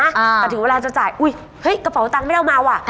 แต่ถึงเวลาจะจ่ายอุ้ยเฮ้ยกระเป๋าตังค์ไม่ได้เอามาว่ะ